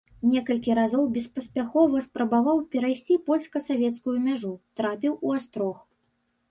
Некалькі разоў беспаспяхова спрабаваў перайсці польска-савецкую мяжу, трапіў у астрог.